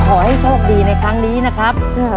ขอให้โชคดีในครั้งนี้นะครับ